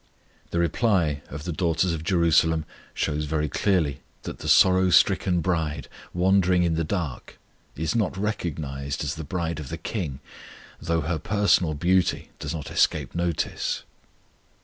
The reply of the daughters of Jerusalem shows very clearly that the sorrow stricken bride, wandering in the dark, is not recognized as the bride of the KING, though her personal beauty does not escape notice.